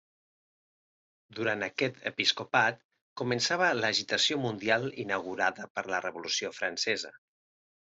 Durant aquest episcopat començava l'agitació mundial inaugurada per la Revolució Francesa.